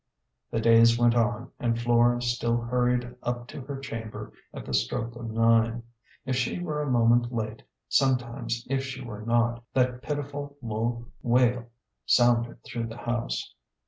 The days went on, and Flora still hurried up to her chamber at the stroke of nine. If she were a moment late, sometimes if she were not, that pitiful low wail sounded through the house.